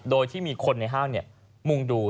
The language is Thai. โดยที่มีคนในห้างมุ่งดู